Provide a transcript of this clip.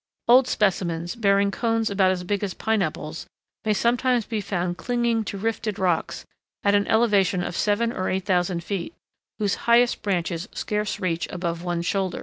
Old specimens, bearing cones about as big as pineapples, may sometimes be found clinging to rifted rocks at an elevation of seven or eight thousand feet, whose highest branches scarce reach above one's shoulders.